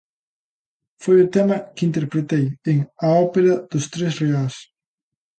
Foi o tema que interpretei en "A ópera dos tres reás".